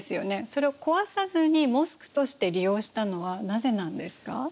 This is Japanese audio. それを壊さずにモスクとして利用したのはなぜなんですか？